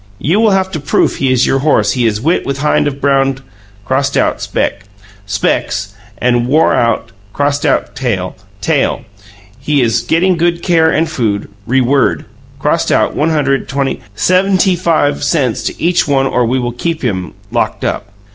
You will have to proof he is your horse he is whit with hind of brown (crossed out: spec) speks and worout (crossed out: tail) tale, he is geting good care and food, reword (crossed out: $100 $20) sevntyfive cents to each one or we will keep him lokked up.